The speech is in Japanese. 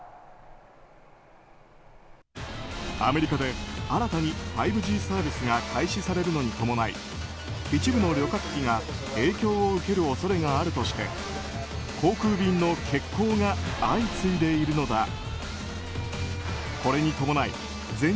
アメリカで新たに５Ｇサービスが開始されるのに伴い一部の旅客機が影響を受ける恐れがあるとして航空便の欠航が相次いでいるのだ。